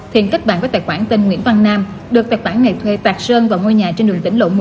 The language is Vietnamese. thiện kết bạn với tài khoản tên nguyễn văn nam được tài khoản ngày thuê tạc sơn vào ngôi nhà trên đường tỉnh lộ một mươi